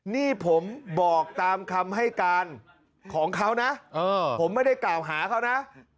นี่ผมบอกตามคำให้การของเขานะผมไม่ได้กล่าวหาเขานะ